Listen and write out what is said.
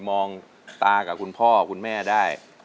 มองตากับคุณพ่อคุณแม่ได้